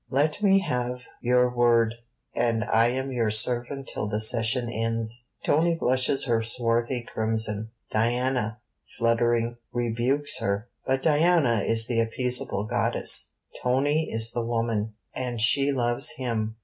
Let me have your word, and I am your servant till the Session ends. Tony blushes her swarthy crimson: Diana, fluttering, rebukes her; but Diana is the appeasable Goddess; Tony is the woman, and she loves him.